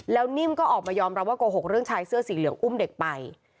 แล้วนิ่มก็ออกมายอมรับว่าโกหกเรื่องชายเสื้อสีเหลืองอุ้มเด็กไป